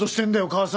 母さん。